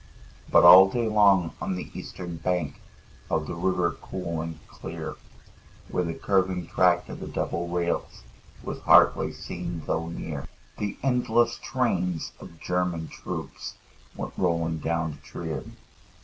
But all day long on the eastern bank Of the river cool and clear, Where the curving track of the double rails Was hardly seen though near, The endless trains of German troops Went rolling down to Trier.